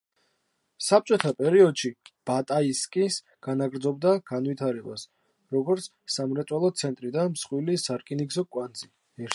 საბჭოთა პერიოდში ბატაისკი განაგრძობდა განვითარებას, როგორც სამრეწველო ცენტრი და მსხვილი სარკინიგზო კვანძი.